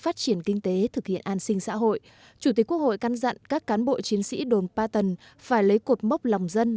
an sinh xã hội chủ tịch quốc hội căn dặn các cán bộ chiến sĩ đồn ba tầng phải lấy cột mốc lòng dân